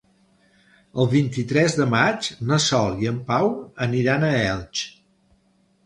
El vint-i-tres de maig na Sol i en Pau aniran a Elx.